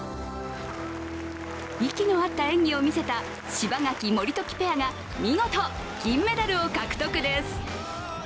息の合った演技を見せた柴垣・守時ペアが見事銀メダルを獲得です。